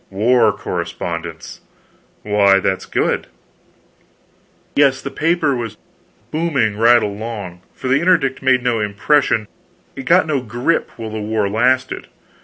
"War correspondence!" "Why, that's good." "Yes, the paper was booming right along, for the Interdict made no impression, got no grip, while the war lasted.